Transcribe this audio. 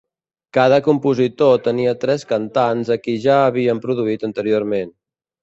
Cada compositor tenia tres cantants a qui ja havien produït anteriorment.